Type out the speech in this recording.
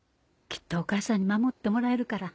きっとお母さんに守ってもらえるから。